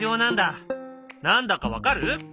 何だか分かる？